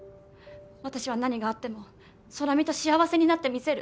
私は何があっても空海と幸せになってみせる。